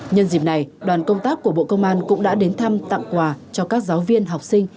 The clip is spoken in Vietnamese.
nhân dịp này đoàn công tác của bộ công an cũng đã đến thăm tặng quà cho các giáo viên học sinh